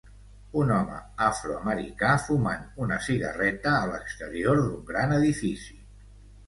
Un home afroamericà fumant una cigarreta a l'exterior d'un gran edifici.